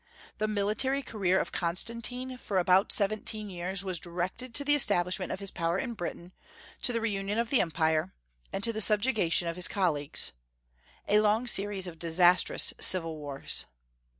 The military career of Constantine for about seventeen years was directed to the establishment of his power in Britain, to the reunion of the Empire, and the subjugation of his colleagues, a long series of disastrous civil wars.